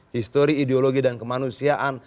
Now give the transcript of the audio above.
histori ideologi dan kemanusiaan